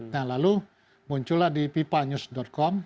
nah lalu muncullah di pipanyus com